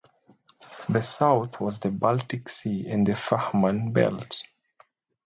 To the south was the Baltic Sea and the Fehmarn Belt.